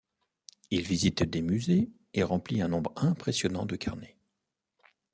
Il visite des musées et remplit un nombre impressionnant de carnets.